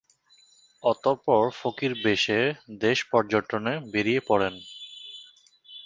অতঃপর ফকির বেশে দেশ পর্যটনে বেরিয়ে পড়েন।